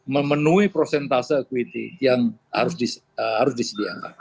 memenuhi prosentase equity yang harus disediakan